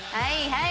はい。